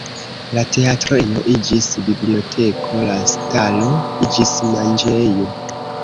La teatrejo iĝis biblioteko, la stalo iĝis manĝejo.